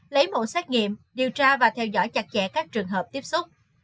lấy mẫu xét nghiệm điều tra và theo dõi chặt chẽ các trường hợp tiếp xúc